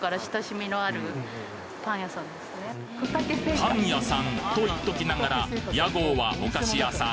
パン屋さんと言っときながら屋号はお菓子屋さん。